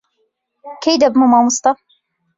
کەی دەبمە مامۆستا؟